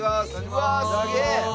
うわあすげえ！